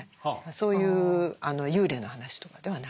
そういう幽霊の話とかではないですね。